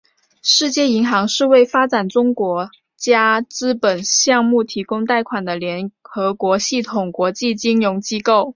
世界银行是为发展中国家资本项目提供贷款的联合国系统国际金融机构。